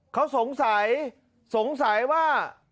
เขาสงสัยว่า